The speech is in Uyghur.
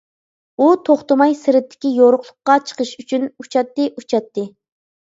ئۇ توختىماي سىرتتىكى يورۇقلۇققا چىقىش ئۈچۈن ئۇچاتتى، ئۇچاتتى.